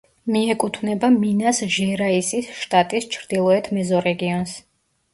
მიეკუთვნება მინას-ჟერაისის შტატის ჩრდილოეთ მეზორეგიონს.